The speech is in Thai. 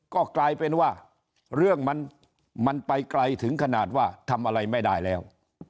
ก็กลายเป็นว่าเรื่องมันไปไกลถึงขนาดว่าทำอะไรไม่ได้แล้ว